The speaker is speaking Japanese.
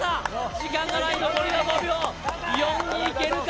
時間がない残りは５秒４にいけるか？